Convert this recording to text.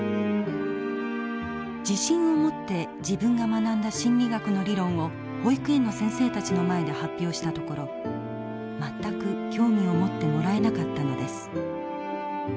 自信を持って自分が学んだ心理学の理論を保育園の先生たちの前で発表したところ全く興味を持ってもらえなかったのです。